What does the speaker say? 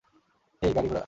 হেই, গাড়ি ঘুরা।